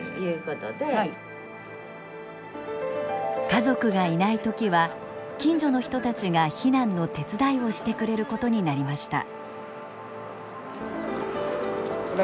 家族がいない時は近所の人たちが避難の手伝いをしてくれることになりました。